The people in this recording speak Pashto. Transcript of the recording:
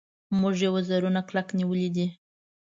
موږ یې وزرونه کلک نیولي دي.